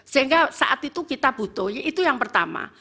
sehingga saat itu kita butuh itu yang pertama